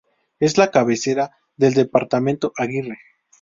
Es la cabecera del departamento Aguirre.